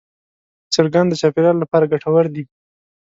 چرګان د چاپېریال لپاره ګټور دي.